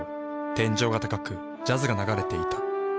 天井が高くジャズが流れていた。